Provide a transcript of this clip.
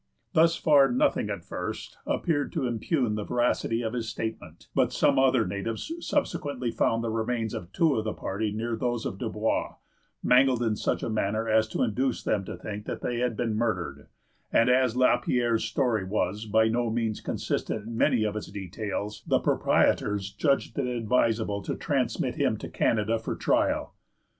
Thus far nothing at first appeared to impugn the veracity of his statement; but some other natives subsequently found the remains of two of the party near those of Dubois, mangled in such a manner as to induce them to think that they had been murdered; and as La Pierre's story was by no means consistent in many of its details, the proprietors judged it advisable to transmit him to Canada for trial.